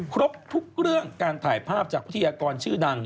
ครบทุกเรื่องการถ่ายภาพจากวิทยากรชื่อดัง